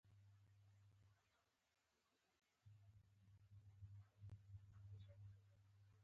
د ابدي مني خوبونه ویني